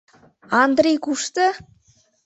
Андрий кушто?